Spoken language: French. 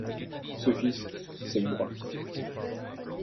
Ce fils, c’est moi.